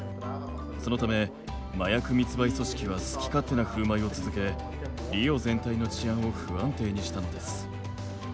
そのため麻薬密売組織は好き勝手なふるまいを続けリオ全体の治安を不安定にしたのです。